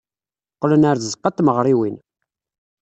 Qqlen ɣer tzeɣɣa n tmeɣriwin.